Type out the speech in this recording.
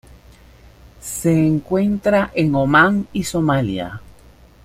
Se encuentra en Omán y Somalia.